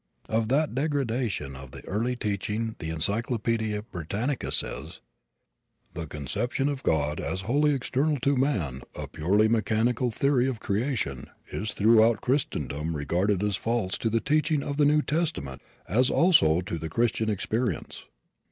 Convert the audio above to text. Of that degradation of the early teaching the Encyclopedia Britannica says: The conception of God as wholly external to man, a purely mechanical theory of creation, is throughout Christendom regarded as false to the teaching of the New Testament as also to Christian experience.